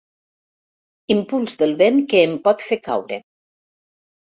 Impuls del vent que em pot fer caure.